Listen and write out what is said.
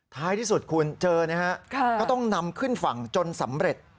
ท้ายที่สุดคุณเจอนะฮะก็ต้องนำขึ้นฝั่งจนสำเร็จ